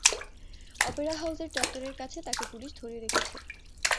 Opera হাউসের চত্বরের কাছে তাকে পুলিশ ধরে রেখেছে।